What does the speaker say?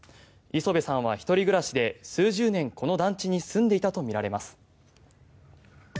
礒邊さんは１人暮らしで数十年、この団地に住んでいたとみられます。